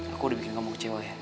aku udah bikin kamu kecewa ya